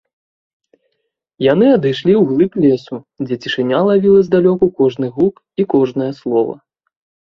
Яны адышлі ў глыб лесу, дзе цішыня лавіла здалёку кожны гук і кожнае слова.